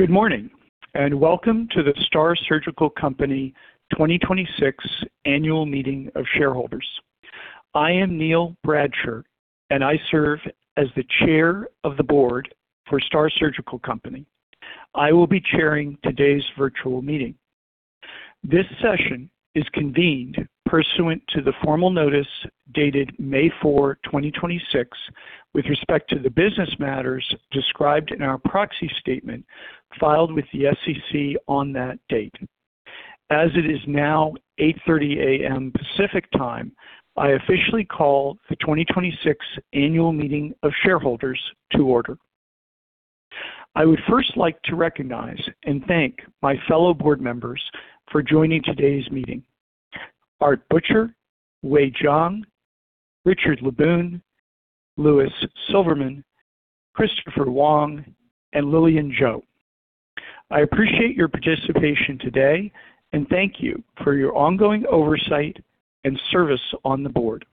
Good morning, welcome to the STAAR Surgical Company 2026 Annual Meeting of Shareholders. I am Neal Bradsher, I serve as the Chair of the Board for STAAR Surgical Company. I will be chairing today's virtual meeting. This session is convened pursuant to the formal notice dated May 4, 2026, with respect to the business matters described in our proxy statement filed with the SEC on that date. As it is now 8:30 A.M. Pacific Time, I officially call the 2026 Annual Meeting of Shareholders to order. I would first like to recognize and thank my fellow board members for joining today's meeting: Art Butcher, Wei Jiang, Richard LeBuhn, Louis Silverman, Christopher Wang, and Lilian Zhou. I appreciate your participation today, thank you for your ongoing oversight and service on the board.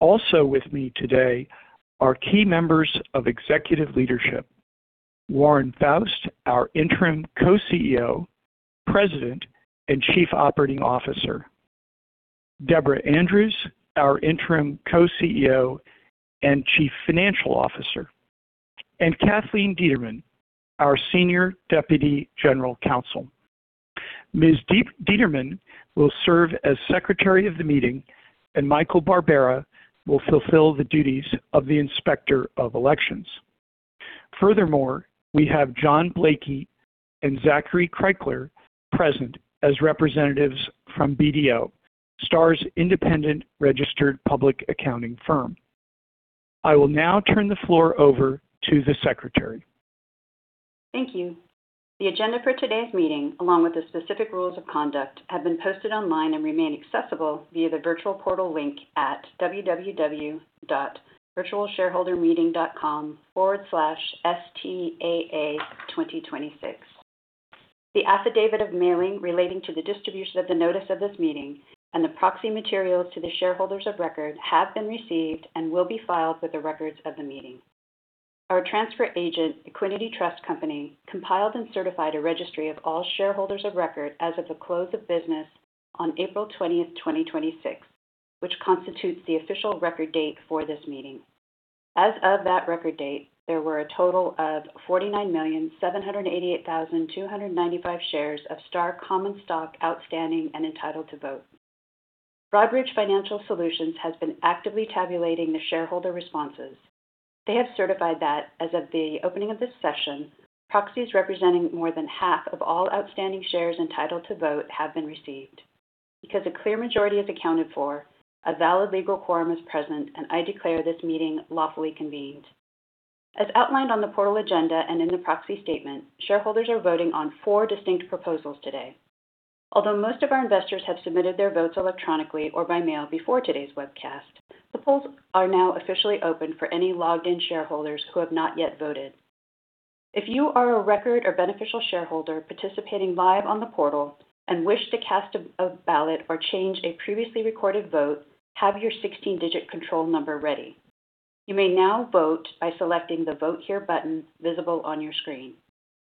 Also with me today are key members of executive leadership. Warren Foust, our Interim Co-CEO, President, and Chief Operating Officer. Deborah Andrews, our Interim Co-CEO and Chief Financial Officer, Kathleen Deyerle, our Senior Deputy General Counsel. Ms. Deyerle will serve as Secretary of the meeting, Michael Barbera will fulfill the duties of the Inspector of Elections. We have John Blakey and Zachary Krickler present as representatives from BDO, STAAR's independent registered public accounting firm. I will now turn the floor over to the secretary. Thank you. The agenda for today's meeting, along with the specific rules of conduct, have been posted online and remain accessible via the virtual portal link at www.virtualshareholdermeeting.com/STAA2026. The affidavit of mailing relating to the distribution of the notice of this meeting and the proxy materials to the shareholders of record have been received and will be filed with the records of the meeting. Our transfer agent, Equiniti Trust Company, compiled and certified a registry of all shareholders of record as of the close of business on April 20, 2026, which constitutes the official record date for this meeting. As of that record date, there were a total of 49,788,295 shares of STAAR common stock outstanding and entitled to vote. Broadridge Financial Solutions has been actively tabulating the shareholder responses. They have certified that as of the opening of this session, proxies representing more than half of all outstanding shares entitled to vote have been received. Because a clear majority is accounted for, a valid legal quorum is present, I declare this meeting lawfully convened. As outlined on the portal agenda and in the proxy statement, shareholders are voting on four distinct proposals today. Although most of our investors have submitted their votes electronically or by mail before today's webcast, the polls are now officially open for any logged-in shareholders who have not yet voted. If you are a record or beneficial shareholder participating live on the portal and wish to cast a ballot or change a previously recorded vote, have your 16-digit control number ready. You may now vote by selecting the Vote Here button visible on your screen.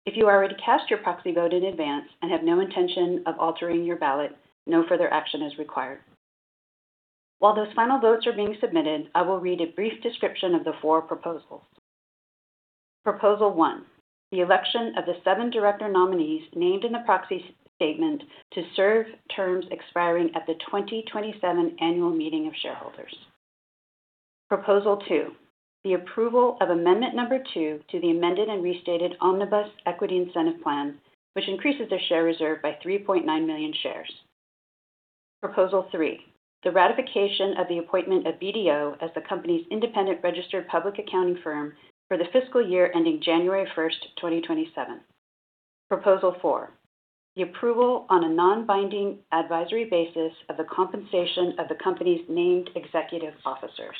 If you already cast your proxy vote in advance and have no intention of altering your ballot, no further action is required. While those final votes are being submitted, I will read a brief description of the four proposals. Proposal 1, the election of the seven director nominees named in the proxy statement to serve terms expiring at the 2027 Annual Meeting of Shareholders. Proposal 2, the approval of amendment number 2 to the amended and restated omnibus equity incentive plan, which increases their share reserve by 3.9 million shares. Proposal 3, the ratification of the appointment of BDO as the company's independent registered public accounting firm for the fiscal year ending January first, 2027. Proposal 4, the approval on a non-binding advisory basis of the compensation of the company's named executive officers.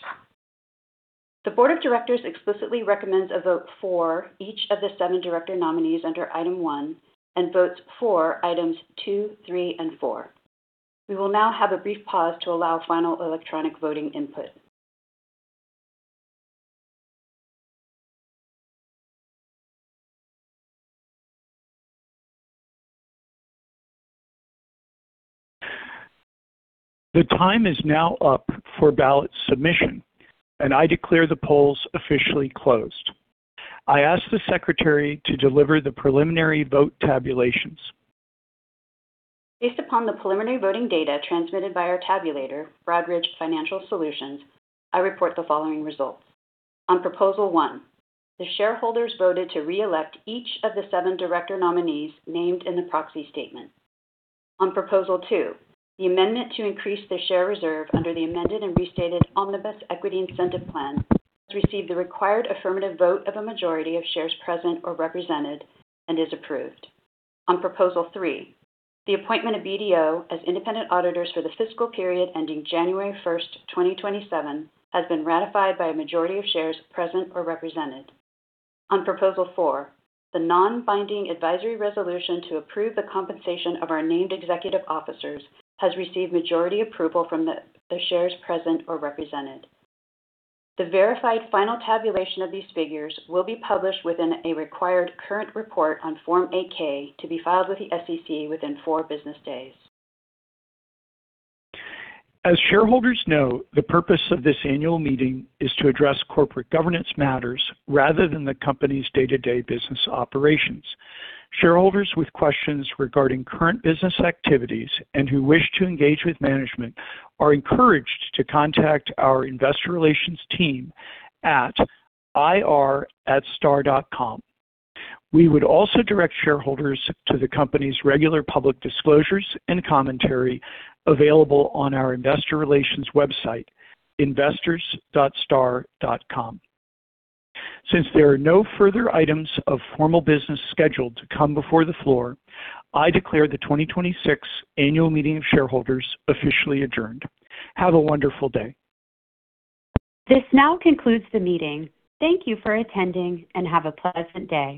The board of directors explicitly recommends a vote for each of the seven director nominees under item 1 and votes for items 2, 3, and 4. We will now have a brief pause to allow final electronic voting input. The time is now up for ballot submission. I declare the polls officially closed. I ask the secretary to deliver the preliminary vote tabulations. Based upon the preliminary voting data transmitted by our tabulator, Broadridge Financial Solutions, I report the following results. On Proposal 1, the shareholders voted to reelect each of the seven director nominees named in the proxy statement. On Proposal 2, the amendment to increase the share reserve under the amended and restated omnibus equity incentive plan has received the required affirmative vote of a majority of shares present or represented and is approved. On Proposal 3, the appointment of BDO as independent auditors for the fiscal period ending January first, 2027, has been ratified by a majority of shares present or represented. On Proposal 4, the non-binding advisory resolution to approve the compensation of our named executive officers has received majority approval from the shares present or represented. The verified final tabulation of these figures will be published within a required current report on Form 8-K to be filed with the SEC within four business days. As shareholders know, the purpose of this annual meeting is to address corporate governance matters rather than the company's day-to-day business operations. Shareholders with questions regarding current business activities and who wish to engage with management are encouraged to contact our investor relations team at ir@staar.com. We would also direct shareholders to the company's regular public disclosures and commentary available on our investor relations website, investors.staar.com. There are no further items of formal business scheduled to come before the floor, I declare the 2026 Annual Meeting of Shareholders officially adjourned. Have a wonderful day. This now concludes the meeting. Thank you for attending and have a pleasant day.